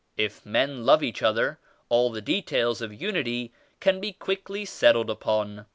If men love each other all the details of unity can be quickly settled upon.